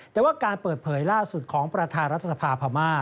แต่ว่าการเปิดเผยล่าสุดของประธานรัฐสภาพม่า